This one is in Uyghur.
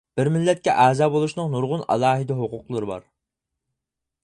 بىر مىللەتكە ئەزا بولۇشنىڭ نۇرغۇن ئالاھىدە ھوقۇقلىرى بار.